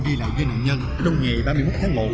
ghi lại với nạn nhân trong ngày ba mươi một tháng một